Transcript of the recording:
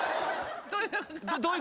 どういうことだ